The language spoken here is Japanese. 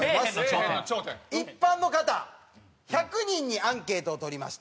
一般の方１００人にアンケートを取りました。